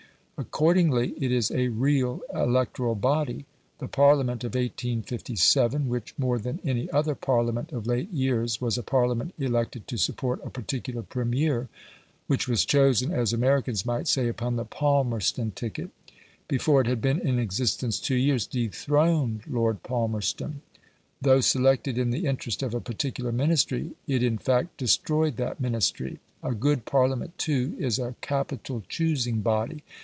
Accordingly it is a REAL electoral body. The Parliament of 1857, which, more than any other Parliament of late years, was a Parliament elected to support a particular premier which was chosen, as Americans might say, upon the "Palmerston ticket" before it had been in existence two years, dethroned Lord Palmerston. Though selected in the interest of a particular Ministry, it in fact destroyed that Ministry. A good Parliament, too, is a capital choosing body.